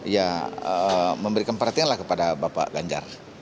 ya memberikan perhatianlah kepada bapak ganjar